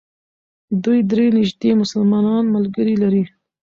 دوی درې نژدې مسلمان ملګري لري.